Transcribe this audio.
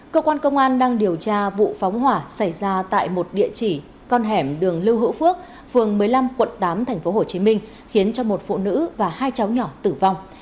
cơ quan công an đang điều tra vụ phóng hỏa xảy ra tại một địa chỉ con hẻm đường lưu hữu phước phường một mươi năm quận tám tp hcm khiến cho một phụ nữ và hai cháu nhỏ tử vong